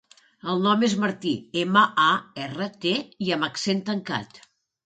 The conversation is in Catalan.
El nom és Martí: ema, a, erra, te, i amb accent tancat.